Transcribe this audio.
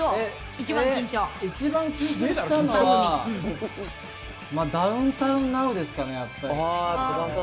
一番緊張したのは、ダウンタウンナウですかね、やっぱり。